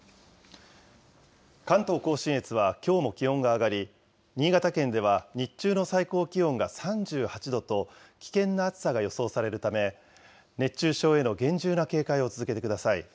関東甲信越はきょうも気温が上がり、新潟県では日中の最高気温が３８度と、危険な暑さが予想されるため、熱中症への厳重な警戒を続けてください。